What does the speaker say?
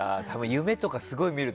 夢とかすごい見る。